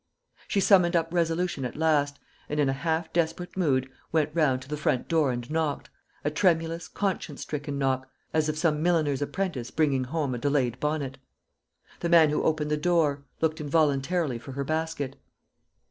She summoned up resolution at last, and in a half desperate mood, went round to the front door and knocked a tremulous conscience stricken knock, as of some milliner's apprentice bringing home a delayed bonnet. The man who opened the door looked involuntarily for her basket.